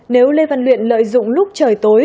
nếu lê văn luyện lợi dụng lúc trời tối